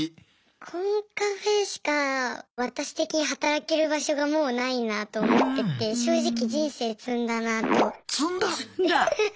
コンカフェしかわたし的に働ける場所がもうないなと思ってて正直人生詰んだなと。